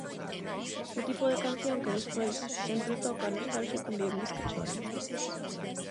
O tipo de canción que despois sempre toca a nostalxia con violíns que choran.